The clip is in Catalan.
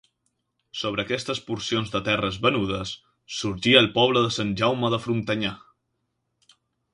Sobre aquestes porcions de terres venudes sorgí el poble de Sant Jaume de Frontanyà.